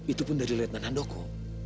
itu pun dari letman nandoko